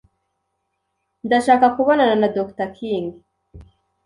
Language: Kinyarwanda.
Ndashaka kubonana na Dr. King.